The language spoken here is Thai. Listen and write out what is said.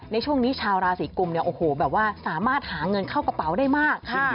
ในช่วงนี้ชาวราศีกุมเนี่ยโอ้โหแบบว่าสามารถหาเงินเข้ากระเป๋าได้มาก